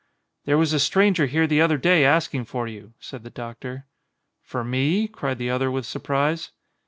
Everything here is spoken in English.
"There was a stranger here the other day ask ing for you," said the doctor. "For me?" cried the other with surprise.